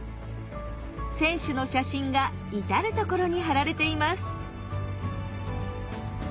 選手の写真が至る所に貼られています。